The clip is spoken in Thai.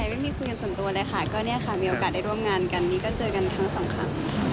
ไม่มีคุยกันส่วนตัวเลยค่ะก็เนี่ยค่ะมีโอกาสได้ร่วมงานกันนี้ก็เจอกันทั้งสองครั้ง